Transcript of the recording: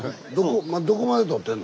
どこまで撮ってんの？